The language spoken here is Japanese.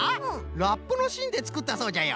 ラップのしんでつくったそうじゃよ。